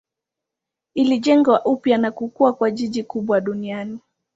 Ilijengwa upya na kukua kuwa jiji kubwa duniani.